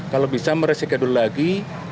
kalau bisa meresikadul lagi